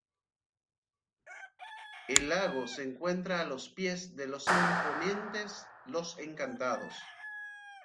El lago se encuentra a los pies de los imponentes Los Encantados.